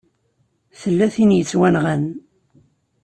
Tella tin i yettwanɣan.